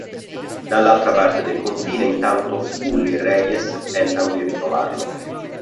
Dall'altra parte del confine intanto, Scully e Reyes tentano di ritrovarlo.